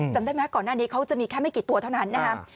จำได้ไหมก่อนหน้านี้เขาจะมีแค่ไม่กี่ตัวเท่านั้นนะครับ